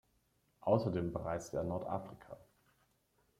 Außerdem bereiste er Nordafrika.